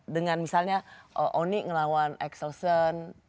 dengan misalnya oni ngelawan exelsen